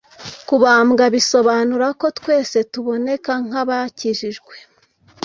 Kubambwa bisobanura ko twese tuboneka nk’abakijijwe